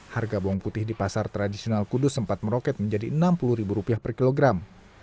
harga bawang putih di pasar tradisional kudus sempat meroket menjadi rp enam puluh per kilogram